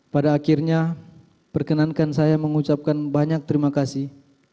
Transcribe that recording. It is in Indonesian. pada akhirnya perkenankan saya mengucapkan banyak terima kasih